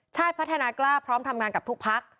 พัฒนากล้าพร้อมทำงานกับทุกพัก